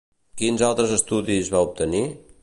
Quins altres estudis va obtenir?